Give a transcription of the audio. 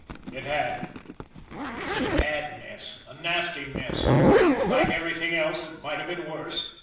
It had. It was a bad mess, a nasty mess but, like everything else, it might have been worse.